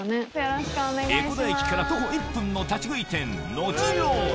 江古田駅から徒歩１分の立ち食い店